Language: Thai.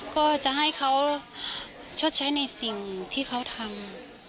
ก็จะให้เขาชดใช้ในสิ่งที่เขาทำ